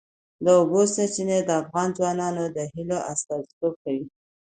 د اوبو سرچینې د افغان ځوانانو د هیلو استازیتوب کوي.